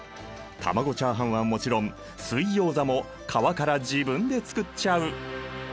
卵チャーハンはもちろん水ギョーザも皮から自分で作っちゃう！